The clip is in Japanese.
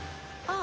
あ。